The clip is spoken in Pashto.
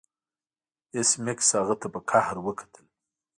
ایس میکس هغه ته په قهر وکتل